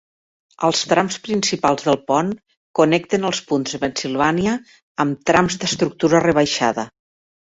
Els trams principals del pont connecten els punts de Pennsilvània amb trams d'estructura rebaixada.